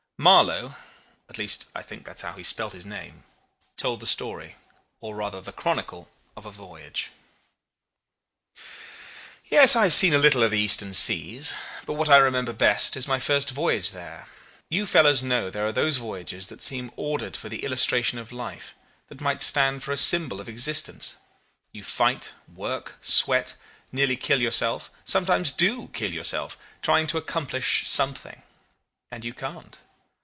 Marlow (at least I think that is how he spelt his name) told the story, or rather the chronicle, of a voyage: "Yes, I have seen a little of the Eastern seas; but what I remember best is my first voyage there. You fellows know there are those voyages that seem ordered for the illustration of life, that might stand for a symbol of existence. You fight, work, sweat, nearly kill yourself, sometimes do kill yourself, trying to accomplish something and you can't.